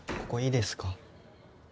ここいいですか？